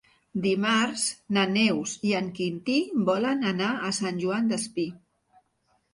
Dimarts na Neus i en Quintí volen anar a Sant Joan Despí.